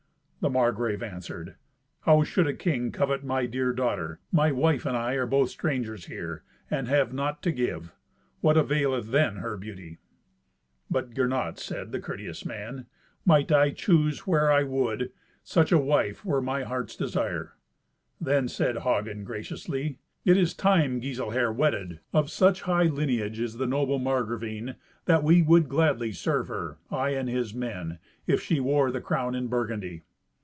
The Margrave answered, "How should a king covet my dear daughter? My wife and I are both strangers here, and have naught to give. What availeth then her beauty?" But said Gernot, the courteous man, "Might I choose where I would, such a wife were my heart's desire." Then said Hagen graciously, "It is time Giselher wedded. Of such high lineage is the noble Margravine, that we would gladly serve her, I and his men, if she wore the crown in Burgundy."